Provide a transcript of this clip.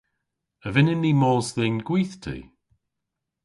A vynnyn ni mos dhe'n gwithti?